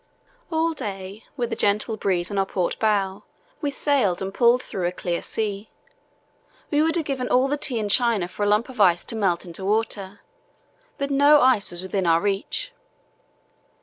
All day, with a gentle breeze on our port bow, we sailed and pulled through a clear sea. We would have given all the tea in China for a lump of ice to melt into water, but no ice was within our reach.